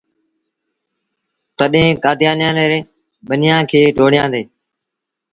تڏهيݩ ڪآديآنيآن ريٚݩ ٻنيآݩ کي ٽوڙيآندي۔